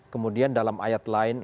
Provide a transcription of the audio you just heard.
kemudian dalam ayat lain